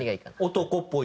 男っぽい。